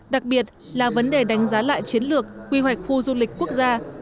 đặc biệt là vấn đề đánh giá lại chiến lược quy hoạch khu du lịch quốc gia